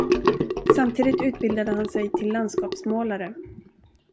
Samtidigt utbildade han sig till landskapsmålare.